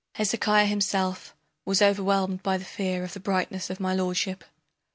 Hezekiah himself Was overwhelmed by the fear of the brightness of my lordship.